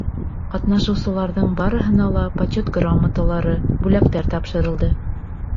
Ҡатнашыусыларҙың барыһына ла почет грамоталары, бүләктәр тапшырылды.